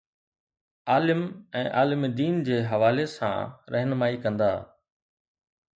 عالم ۽ عالم دين جي حوالي سان رهنمائي ڪندا.